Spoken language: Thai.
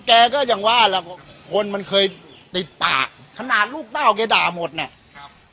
แกก็ยังว่าแหละคนมันเคยติดปากขนาดลูกเต้าแกด่าหมดเนี่ยครับ